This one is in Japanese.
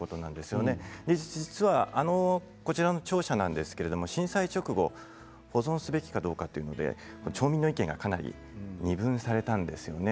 実はこちらの庁舎なんですけど、震災直後保存すべきかどうかということで町民の意見がかなり二分されたんですよね。